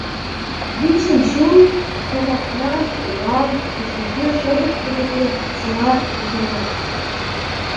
Виҫӗм ҫул, сӑмахран, урам хушшинчи шӑтӑк-путӑклӑ ҫула юсарӑмӑр.